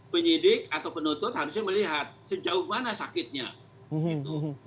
penyidik atau penuntut harusnya melihat sejauh mana sakitnya gitu